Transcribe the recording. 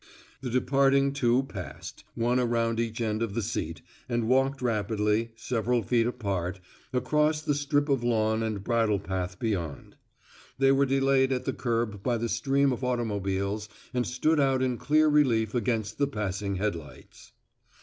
The departing two passed, one around each end of the seat, and walked rapidly, several feet apart, across the strip of lawn and bridal path beyond. They were delayed at the curb by the stream of automobiles and stood out in clear relief against the passing headlights.